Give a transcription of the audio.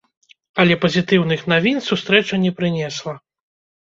Але пазітыўных навін сустрэча не прынесла.